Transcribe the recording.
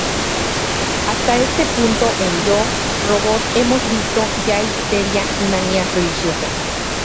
Hasta este punto en Yo, Robot hemos visto ya histeria y manías religiosas.